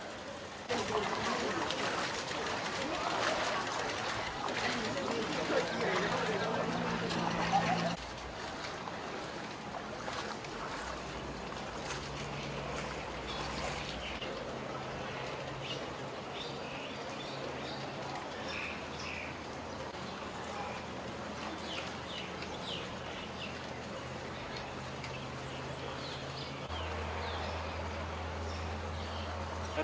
สวัสดีครับ